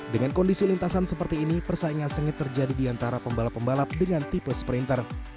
dengan kondisi lintasan seperti ini persaingan sengit terjadi di antara pembalap pembalap dengan tipe sprinter